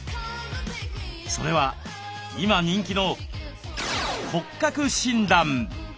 それは今人気の「骨格診断」。